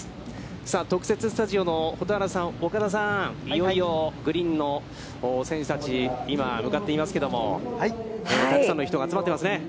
さあ、特設スタジオの蛍原さん、岡田さん、グリーンの選手たち、今、向かっていますけども、たくさんの人が集まってますね。